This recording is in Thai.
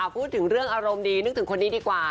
พูดถึงเรื่องอารมณ์ดีนึกถึงคนนี้ดีกว่า